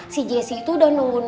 si jesse itu udah nunggu nunggu banget